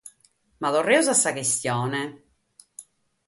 Ma torremus a sa chistione.